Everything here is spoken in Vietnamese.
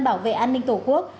bảo vệ an ninh tổ quốc